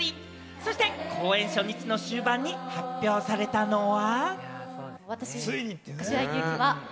そして公演初日の終盤に発表されたのは。